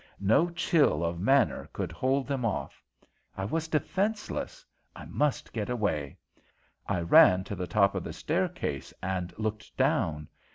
No chill of manner could hold them off. I was defenseless. I must get away. I ran to the top of the staircase and looked down.